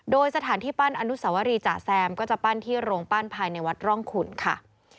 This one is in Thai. โดยสถานที่ปั้นอนุสวรีจ๋าแซมก็จะปั้นที่โรงปั้นภายในวัดร่องขุนค่ะ